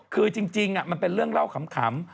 คือจริงมันเป็นเรื่องเล่าขำ